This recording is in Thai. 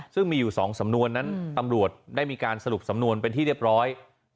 ซึ่งมีอยู่๒สำนวนนั้นตำรวจได้มีการสรุปสำนวนเป็นที่เรียบร้อย